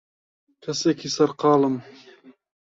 کەسێکی سەرقاڵم.